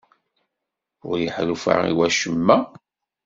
Ur iḥulfa i wacemma?